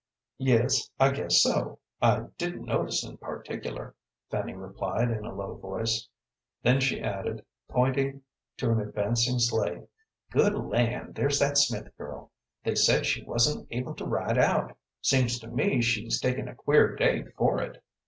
"Yes; I guess so. I didn't notice in particular," Fanny replied, in a low voice. Then she added, pointing to an advancing sleigh. "Good land, there's that Smith girl. They said she wasn't able to ride out. Seems to me she's taken a queer day for it."